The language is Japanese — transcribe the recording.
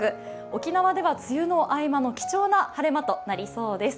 沖縄では梅雨の合間の貴重な晴れ間となりそうです。